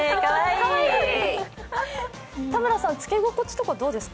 田村さん、着け心地とかどうですか？